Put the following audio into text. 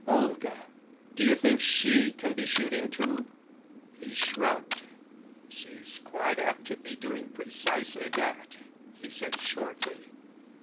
"Olga ! Do you think she can be shooting, too ?" He shrugged. "She's quite apt to be doing precisely that," he said shortly.